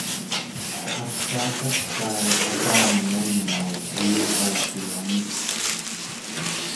ataatakai atami anngai uyurai-llu angutet